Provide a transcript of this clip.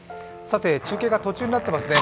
中継が途中になっていますね。